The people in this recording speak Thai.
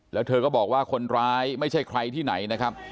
แล้วเธอก็บอกว่าคนร้ายไม่ใช่ใครที่ไหนนะครับ